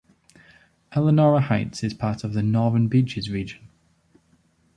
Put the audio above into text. Elanora Heights is part of the Northern Beaches region.